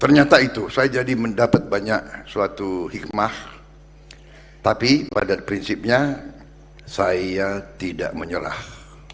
ternyata itu saya jadi mendapat banyak suatu hikmah tapi pada prinsipnya saya tidak menyerah